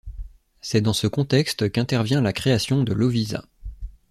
C'est dans ce contexte qu'intervient la création de Loviisa.